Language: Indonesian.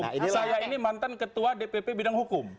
saya ini mantan ketua dpp bidang hukum